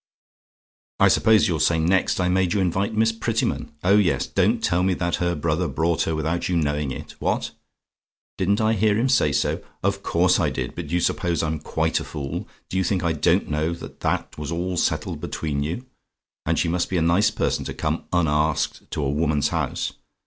"I suppose you'll say next I made you invite Miss Prettyman? Oh yes; don't tell me that her brother brought her without you knowing it. What? "DIDN'T I HEAR HIM SAY SO? "Of course I did; but do you suppose I'm quite a fool? Do you think I don't know that that was all settled between you? And she must be a nice person to come unasked to a woman's house?